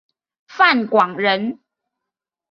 范广人。